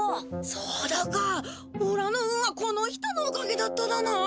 そうだかおらの運はこの人のおかげだっただな。